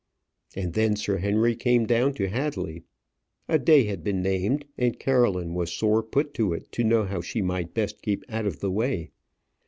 And then Sir Henry came down to Hadley. A day had been named, and Caroline was sore put to it to know how she might best keep out of the way.